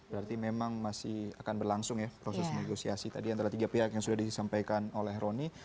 berarti memang masih akan berlangsung ya proses negosiasi tadi antara tiga pihak yang sudah disampaikan oleh roni